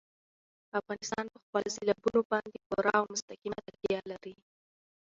افغانستان په خپلو سیلابونو باندې پوره او مستقیمه تکیه لري.